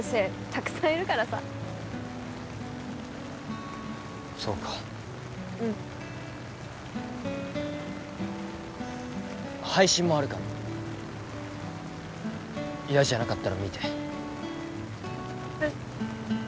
たくさんいるからさそうかうん配信もあるから嫌じゃなかったら見てえっ？